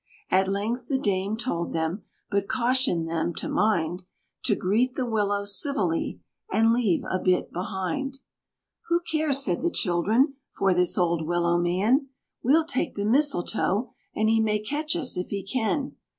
At length the Dame told them, but cautioned them to mind To greet the Willow civilly, and leave a bit behind. "Who cares," said the children, "for this old Willow man? We'll take the Mistletoe, and he may catch us if he can."